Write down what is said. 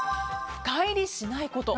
深入りしないこと。